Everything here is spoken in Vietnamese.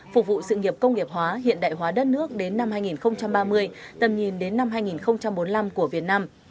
phục vụ sự nghiệp công nghiệp hóa hiện đại hóa đất nước đến năm hai nghìn ba mươi tầm nhìn đến năm hai nghìn bốn mươi năm của việt nam